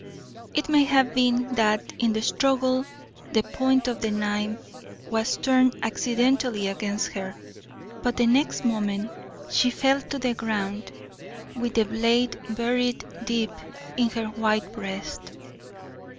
It may have been that in the struggle the point of the knife was turned accidentally against her; but the next moment she fell to the ground, with the blade buried deep in her white breast.